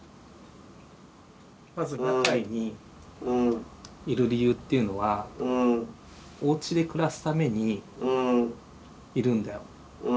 まず中井にいる理由っていうのはおうちで暮らすためにいるんだよ。